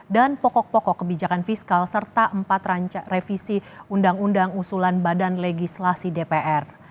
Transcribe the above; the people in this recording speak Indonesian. dan pokok pokok kebijakan fiskal serta empat revisi undang undang usulan badan legislasi dpr